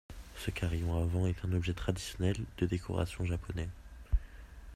Ce carillon à vent est un objet traditionnel de décoration japonais.